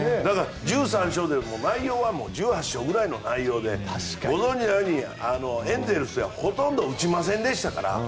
１３勝でも内容は１８勝ぐらいの内容でご存じのようにエンゼルスはほとんど打ちませんでしたから。